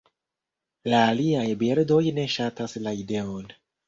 La aliaj birdoj ne ŝatas la ideon.